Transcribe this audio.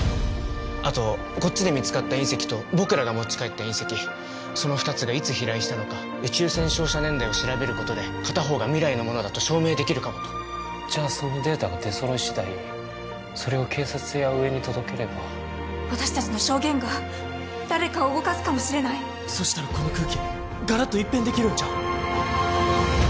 あとこっちで見つかった隕石と僕らが持ち帰った隕石その２つがいつ飛来したのか宇宙線照射年代を調べることで片方が未来のものだと証明できるかもとじゃあそのデータが出揃い次第それを警察や上に届ければ私達の証言が誰かを動かすかもしれないそしたらこの空気ガラッと一変できるんちゃう？